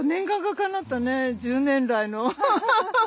１０年来の。